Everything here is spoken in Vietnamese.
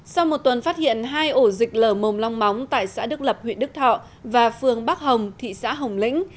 sau một tuần phát hiện hai ổ dịch lở mồm long móng tại xã đức lập huyện đức thọ và phường bắc hồng thị xã hồng lĩnh